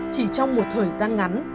chỉ trong một thời gian ngắn